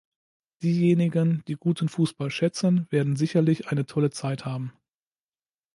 Diejenigen, die guten Fußball schätzen, werden sicherlich eine tolle Zeit haben.